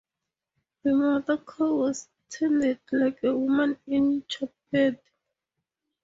The mother cow was tended like a woman in childbed.